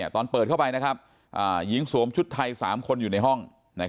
ตอนเปิดเข้าไปหญิงสวมชุดไทย๓คนอยู่ในห้อง